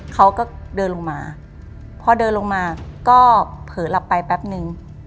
เขาก็เดินลงมาพอเดินลงมาก็เผลอหลับไปแป๊บนึง